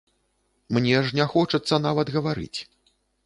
Мне ж не хочацца нават гаварыць.